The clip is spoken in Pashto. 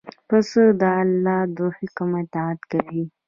پسه د الله د حکم اطاعت کوي.